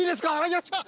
やった！